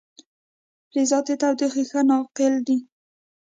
فلزات د تودوخې ښه ناقل دي.